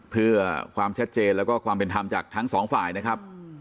เพื่อความชัดเจนแล้วก็ความเป็นธรรมจากทั้งสองฝ่ายนะครับ